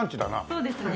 そうですね。